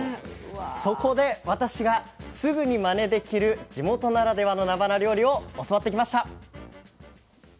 そこで私がすぐにまねできる地元ならではのなばな料理を教わってきました。